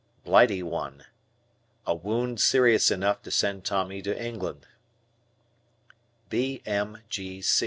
"Blighty One." A wound serious enough to send Tommy to England. B.M.